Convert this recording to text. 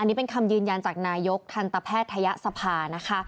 นี่เป็นคำยืนยันจากนายกทันตแพทยศภานะคะ